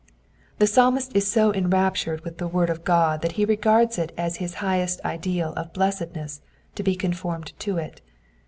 ^^ The Psalmist is so enraptured with the word of God that he regards it as his highest ideal of blessedness to be conformed to it.